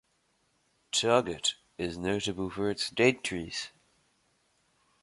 Touggourt is notable for its date trees.